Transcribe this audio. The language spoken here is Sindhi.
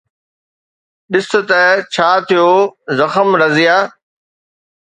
ڏس ته ڇا ٿيو زخم، رضيه